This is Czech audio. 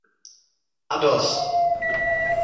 A dost!